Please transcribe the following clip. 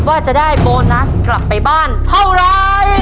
ว่าจะได้โบนัสกลับไปบ้านเท่าไร